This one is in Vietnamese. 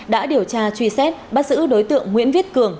đã điều tra truy xét bắt giữ đối tượng nguyễn viết cường